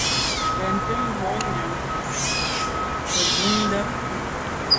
Benntùn boa nyàm nke mbùnte.